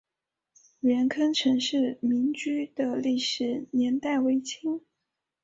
元坑陈氏民居的历史年代为清。